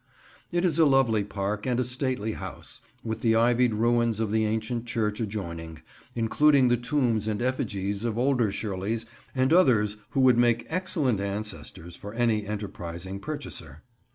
It is a lovely park and a stately house, with the ivied ruins of the ancient church adjoining, including the tombs and effigies of older Shirleys and others who would make excellent ancestors for any enterprising purchaser.